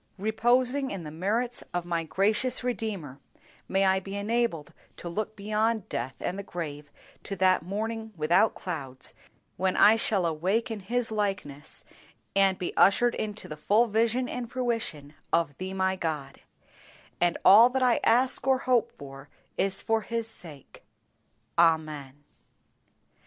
Reposing in the merits of my gracious Redeemer, may I be enabled to look beyond death and the grave, to that morning without clouds, when I shall awake in His likeness, and be ushered into the full vision and fruition of Thee my God; and all that I ask or hope for is for His sake. Amen.